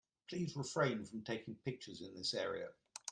Please refrain from taking pictures in this area.